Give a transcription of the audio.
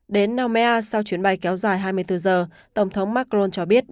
đến nomea sau chuyến bay kéo dài hai mươi bốn giờ tổng thống macron cho biết